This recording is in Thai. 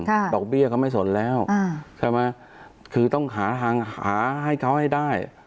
ดอกเบี้ยเขาไม่สนแล้วอ่าใช่ไหมคือต้องหาทางหาให้เขาให้ได้